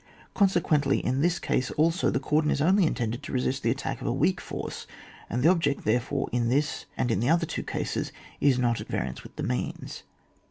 Consequently, in this case also, the cordon is only intended to resist the attack of a weak force, and the object, therefore, in this and in the other two cases is not at variance with the means.